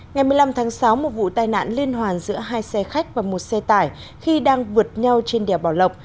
ngày một mươi năm tháng sáu một vụ tai nạn liên hoàn giữa hai xe khách và một xe tải khi đang vượt nhau trên đèo bảo lộc